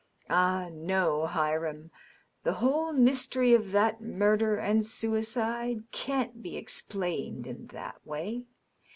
" Ah, no, Hiram. .. The whole mystery of that murder and suicide can't be explained in that way.